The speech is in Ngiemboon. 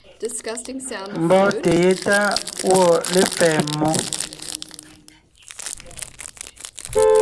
Mbɔ́ɔnte yétá gwɔ̂ lepfɛ̌ mmó.